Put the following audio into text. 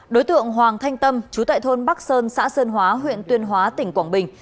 đối tượng hoàng thanh tâm chú tại thôn bắc sơn xã sơn hóa huyện tuyên hóa tỉnh quảng bình